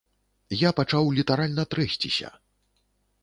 Я пачаў літаральна трэсціся.